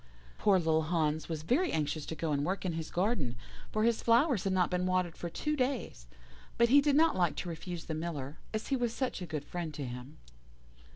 "Poor little Hans was very anxious to go and work in his garden, for his flowers had not been watered for two days, but he did not like to refuse the Miller, as he was such a good friend to him.